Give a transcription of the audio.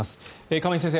亀井先生